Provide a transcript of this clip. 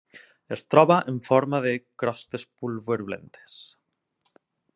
Es troba en forma de crostes pulverulentes.